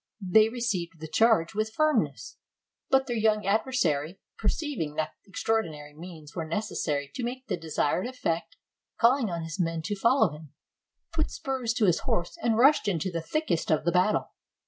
They received the charge with firmness; but their young adversary, perceiving that extraordinary means were necessary to make the de sired effect, calling on his men to follow him, put spurs to his horse and rushed into the thickest of the battle.